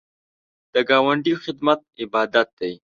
د ګاونډي خدمت عبادت دی